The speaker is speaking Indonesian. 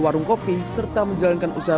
warung kopi serta menjalankan usaha